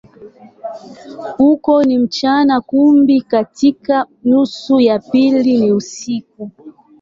Huko ni mchana, kumbe katika nusu ya pili ni usiku.